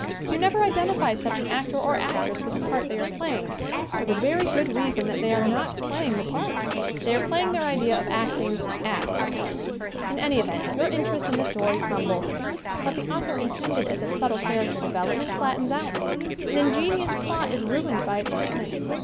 You never identify such an actor or actress with the part they are playing for the very good reason that they are not playing the part. They are play ing their idea of acting at a part. 81 82 SCREEN ACTING In any event your interest in the story crum bles. What the author intended as a subtle character development flattens out. An inge nious plot is ruined by its treatment.